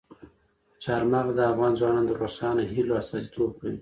چار مغز د افغان ځوانانو د روښانه هیلو استازیتوب کوي.